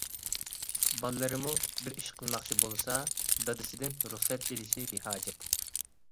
بالىلىرىمۇ بىر ئىش قىلماقچى بولسا دادىسىدىن رۇخسەت ئېلىشى بىھاجەت!